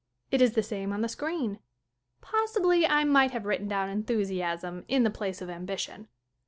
It is the same on the screen. Possibly I might have written down enthus iasm in the place of ambition.